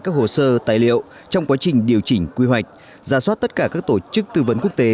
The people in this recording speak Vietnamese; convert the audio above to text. các hồ sơ tài liệu trong quá trình điều chỉnh quy hoạch giả soát tất cả các tổ chức tư vấn quốc tế